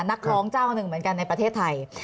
นักร้องเจ้าหนึ่งเหมือนกันในประเทศไทย